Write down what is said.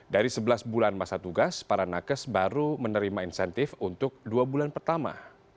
dari sebelas bulan masa tugas para nakes baru menerima insentif untuk dua bulan pertama